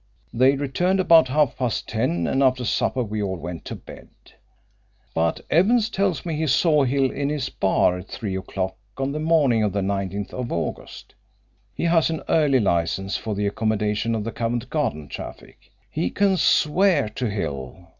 They returned about half past ten, and after supper we all went to bed.' But Evans tells me he saw Hill in his bar at three o'clock on the morning of the 19th of August. He has an early license for the accommodation of the Covent Garden traffic. He can swear to Hill.